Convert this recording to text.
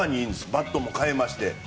バットも変えまして。